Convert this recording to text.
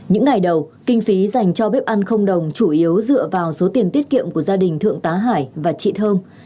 những ngày đầu kinh phí dành cho bếp ăn không đồng chủ yếu dựa vào số tiền tiết kiệm của gia đình thượng tá hải và chị thơm